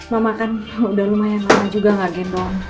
mama kan udah lumayan lama juga nggak gendong